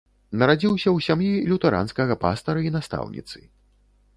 Нарадзіўся ў сям'і лютэранскага пастара і настаўніцы.